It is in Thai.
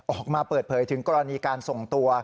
ออกมาเปิดเผยถึงกรณีการส่งตัว